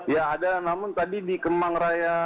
ya ada namun tadi di kemang raya